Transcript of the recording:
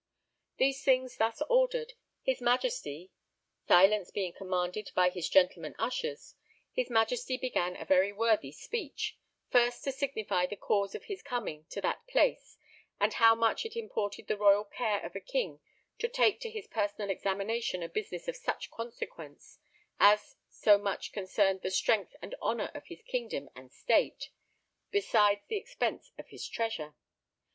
These things thus ordered, his Majesty, silence be[ing] commanded by his gentlemen ushers, his Majesty began a very worthy speech; first to signify the cause of his coming to that place and how much it imported the royal care of a king to take to his personal examination a business of such consequence, as so much concerned the strength and honour of his Kingdom and State, besides the expense of his Treasure.